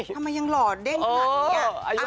ทำไมยังหล่อเด้งขนาดนี้